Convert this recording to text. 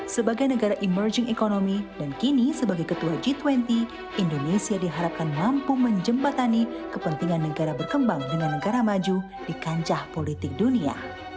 sebagai negara emerging economy dan kini sebagai ketua g dua puluh indonesia diharapkan mampu menjembatani kepentingan negara berkembang dengan negara maju di kancah politik dunia